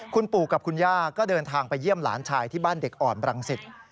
คุณปู่กับคุณย่าก็เดินทางไปเยี่ยมหลานชายที่บ้านเด็กอ่อนบรังสิต